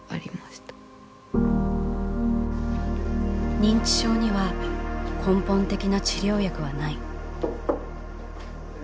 「認知症には根本的な治療薬はない」。